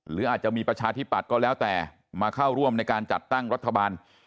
หรืออาจจะมีประชาธิปัตย์ก็แล้วแต่มาเข้าร่วมในการจัดตั้งรัฐบาล